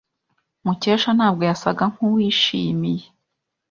Mukesha ntabwo yasaga nkuwishimiye.